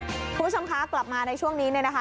คุณผู้ชมคะกลับมาในช่วงนี้เนี่ยนะคะ